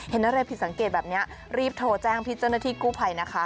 เห็นอะไรผิดสังเกตแบบนี้รีบโทรแจ้งพี่เจ้าหน้าที่กู้ภัยนะคะ